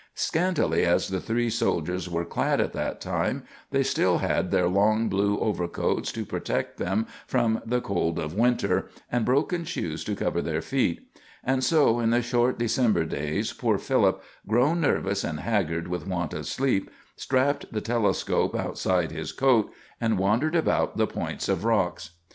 Scantily as the three soldiers were clad at that time, they still had their long blue overcoats to protect them from the cold of winter, and broken shoes to cover their feet; and so in the short December days poor Philip, grown nervous and haggard with want of sleep, strapped the telescope outside his coat, and wandered about the point of rocks.